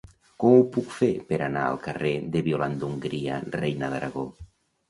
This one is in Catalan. Com ho puc fer per anar al carrer de Violant d'Hongria Reina d'Aragó?